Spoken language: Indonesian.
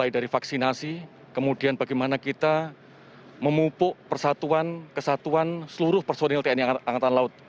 dari vaksinasi kemudian bagaimana kita memupuk persatuan kesatuan seluruh personil tni angkatan laut